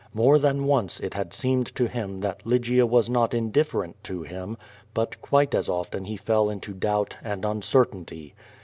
^More than once it had seemed to him that Lygia was not indifferent to him, but (^uitc as often he fell into doubt and uncertainty.